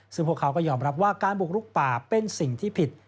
ซึ่งพวกเขาก็ยอมรับว่าการบุกลุกป่าเป็นสิ่งที่ผิด